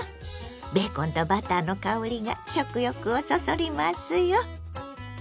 ベーコンとバターの香りが食欲をそそりますよ。